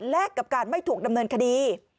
กับการไม่ถูกดำเนินคดี